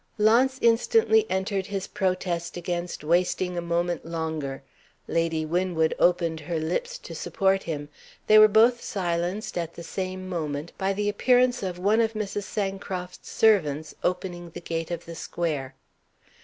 Launce instantly entered his protest against wasting a moment longer. Lady Winwood opened her lips to support him. They were both silenced at the same moment by the appearance of one of Mrs. Sancroft's servants, opening the gate of the square.